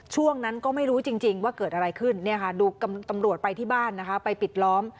ช่วงนั้นก็ไม่รู้จริงว่าเกิดอะไรขึ้นเนี่ยค่ะดูตำรวจไปที่บ้านนะคะไปปิดล้อม